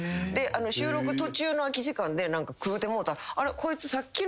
収録途中の空き時間で食うてもうたらこいつさっきの。